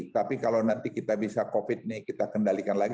tapi kalau nanti kita bisa covid ini kita kendalikan lagi